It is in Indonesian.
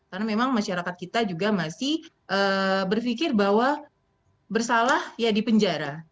karena memang masyarakat kita juga masih berpikir bahwa bersalah ya di penjara